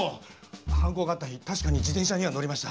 犯行があった日たしかに自転車には乗りました。